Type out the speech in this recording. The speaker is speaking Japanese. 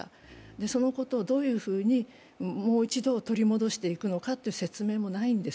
そのことをどういうふうに、もう一度取り戻していくのかという説明もないんです。